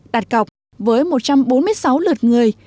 đạt cọc với một trăm bốn mươi sáu lượt người